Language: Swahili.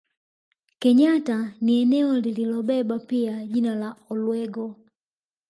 Kenyatta ni eneo lililobeba pia jina la Olwego